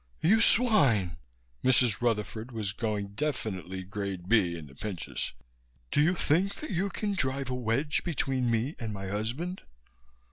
"You swine!" Mrs. Rutherford was going definitely Grade B in the pinches. "Do you think that you can drive a wedge between me and my husband?"